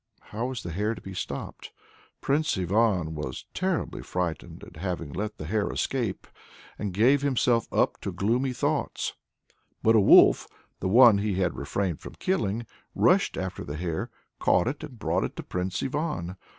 How was the hare to be stopped? Prince Ivan was terribly frightened at having let the hare escape, and gave himself up to gloomy thoughts; but a wolf, the one he had refrained from killing, rushed after the hare, caught it, and brought it to Prince Ivan.